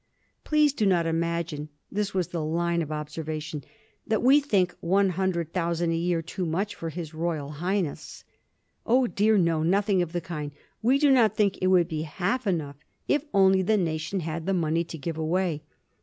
Please do not imagine — ^this was the line of observation — that we think one hundred thousand a year too much for his Roy al Highness. Oh dear, no ; nothing of the kind ; we do not think it would be half enough if only the nation had the money to give away.